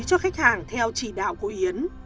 cho khách hàng theo chỉ đạo của yến